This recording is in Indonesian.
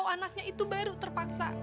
ibu atau anaknya itu baru terpaksa